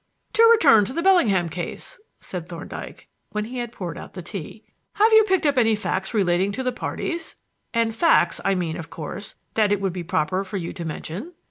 "To return to the Bellingham case," said Thorndyke, when he had poured out the tea. "Have you picked up any facts relating to the parties and facts, I mean, of course, that it would be proper for you to mention?"